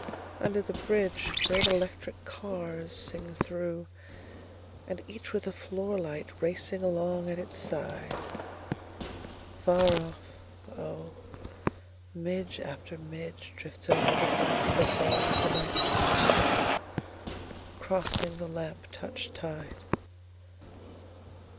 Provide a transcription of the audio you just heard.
Under the bridgeGreat electric carsSing through, and each with a floor light racing along at its side. Far off, oh, midge after midgeDrifts over the gulf that barsThe night with silence, crossing the lamp touched tide.